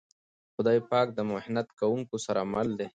خدای پاک د محنت کونکو سره مل دی.